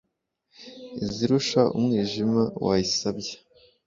Izirusha umwijima wayisabye,